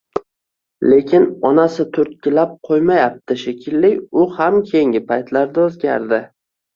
Lekin onasi turtkilab qoʼymayapti shekilli, u ham keyingi paytlarda oʼzgardi.